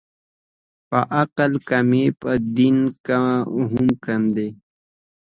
په عقل کمې، په دین هم کمې دي